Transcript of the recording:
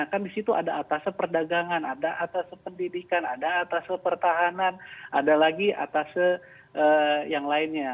kan di situ ada atasnya perdagangan ada atas pendidikan ada atas pertahanan ada lagi atas yang lainnya